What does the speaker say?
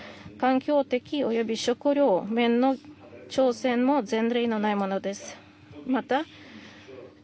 環境的および食料面の調整も前例のないものです。